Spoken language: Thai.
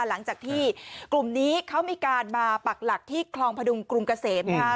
หลังจากที่กลุ่มนี้เขามีการมาปักหลักที่คลองพดุงกรุงเกษมนะคะ